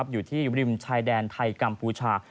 อยู่ที่ริมชายแดนไทยกัมพูชา